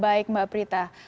baik mbak prita